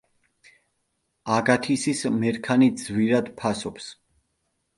აგათისის მერქანი ძვირად ფასობს.